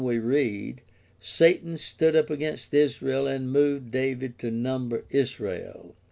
21:1 we read: "Satan stood up against Israel, and moved David to number Israel."